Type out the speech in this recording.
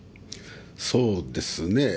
そうですね。